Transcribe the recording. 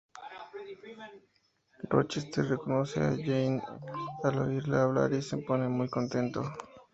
Rochester reconoce a Jane al oírla hablar y se pone muy contento.